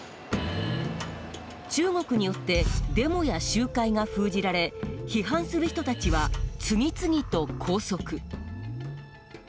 中国によってデモや集会が封じられ批判する人たちは次々と拘束。